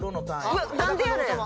うわっなんでやねん！